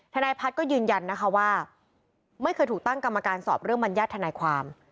ทนายพัฒน์ก็ยืนยันนะคะว่าไม่เคยถูกตั้งกรรมการสอบเรื่องบรรยาทนายความ